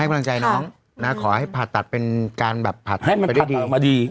ให้กำลังใจน้องขอให้ผ่าตัดเป็นการแบบผ่าตัดไปได้ดี